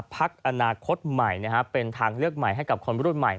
พักอนาคตใหม่เป็นทางเลือกใหม่ให้กับคนรุ่นใหม่